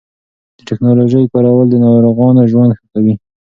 د ټېکنالوژۍ کارول د ناروغانو ژوند ښه کوي.